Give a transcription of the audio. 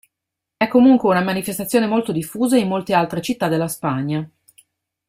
È comunque una manifestazione molto diffusa in molte altre città della Spagna.